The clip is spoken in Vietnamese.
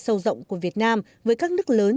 sâu rộng của việt nam với các nước lớn